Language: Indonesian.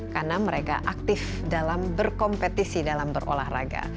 karena mereka aktif dalam berkompetisi dalam berolahraga